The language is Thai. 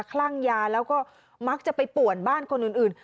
คลั่งยาแล้วก็มักจะไปป่วนบ้านคนอื่น